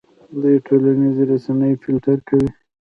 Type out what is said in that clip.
دوی ټولنیزې رسنۍ فلټر کوي.